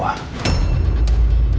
dia pergi untuk selamanya